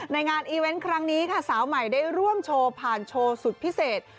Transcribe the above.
งานอีเวนต์ครั้งนี้ค่ะสาวใหม่ได้ร่วมโชว์ผ่านโชว์สุดพิเศษ